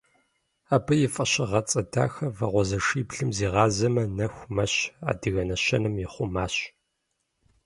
Абы и фӏэщыгъэцӏэ дахэр «Вагъуэзэшиблым зигъазэмэ, нэху мэщ» адыгэ нэщэнэм ихъумащ.